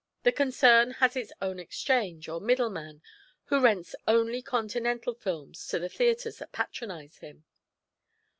The concern has its own Exchange, or middleman, who rents only Continental films to the theatres that patronize him."